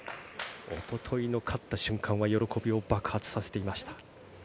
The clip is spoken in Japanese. おとといの勝った瞬間は喜びを爆発させていました。